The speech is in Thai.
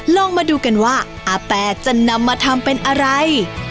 ลองมาดูกันว่าอาแตจะนำมาทำเป็นอะไร